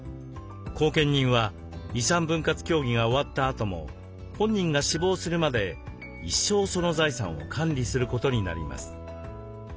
後見人は遺産分割協議が終わったあとも本人が死亡するまで一生その財産を管理することになります。